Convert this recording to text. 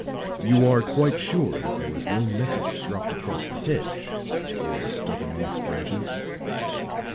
"You are quite sure that there was no message dropped across the hedge, or stuck among its branches?"